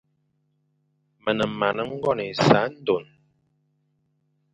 Me ne moan ngone essandone.